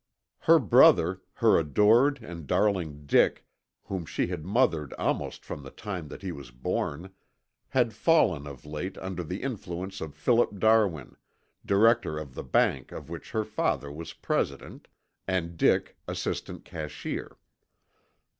Her brother, her adored and darling Dick, whom she had mothered almost from the time that he was born, had fallen of late under the influence of Philip Darwin, director of the bank of which her father was president and Dick assistant cashier.